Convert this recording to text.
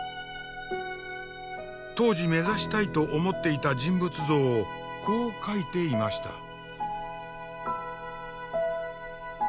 当時目指したいと思っていた人物像をこう書いていました。